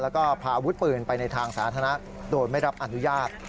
แล้วก็พาอาวุธปืนไปในทางสาธารณะโดยไม่รับอนุญาต